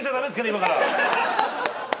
今から。